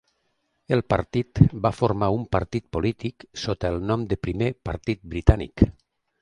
El partit va formar un partit polític sota el nom de Primer Partit Britànic.